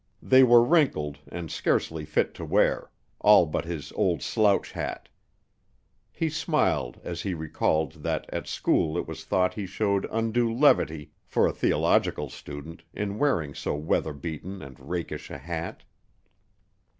They were wrinkled and scarcely fit to wear all but his old slouch hat. He smiled as he recalled that at school it was thought he showed undue levity for a theological student in wearing so weather beaten and rakish a hat.